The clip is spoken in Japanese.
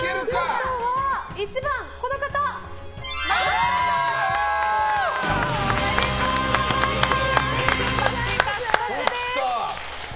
ありがとうございます！